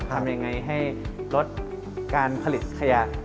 ทำยังไงให้ลดการผลิตขยะ